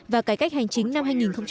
và cải cách hành chính năm hai nghìn hai mươi